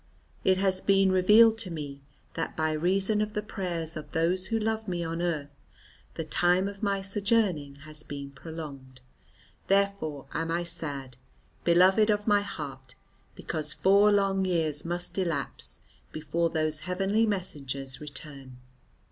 It has been revealed to me that by reason of the prayers of those who love me on earth, the time of my sojourning has been prolonged. Therefore am I sad, beloved of my heart, because four long years must elapse before those heavenly messengers return.